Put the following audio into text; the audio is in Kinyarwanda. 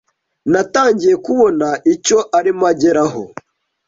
Natangiye kubona icyo arimo ageraho.